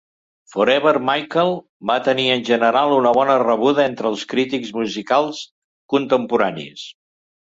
"Forever, Michael" va tenir en general una bona rebuda entre els crítics musicals contemporanis.